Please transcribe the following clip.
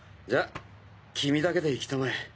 じゃあ君だけで行きたまえ。